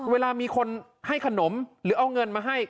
เวลามีคนให้ขนมหรือเอาเงินมาให้